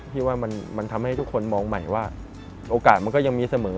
พี่ว่ามันทำให้ทุกคนมองใหม่ว่าโอกาสมันก็ยังมีเสมอ